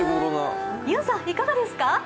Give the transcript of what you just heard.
ゆんさん、いかがですか？